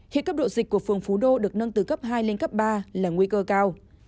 hiện cấp độ dịch của phường phú đô được nâng từ cấp hai lên cấp ba là nguy cơ cao